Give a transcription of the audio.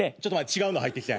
違うの入ってきた。